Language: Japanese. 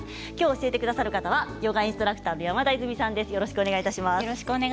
教えてくださるのはヨガインストラクターの山田いずみさんです。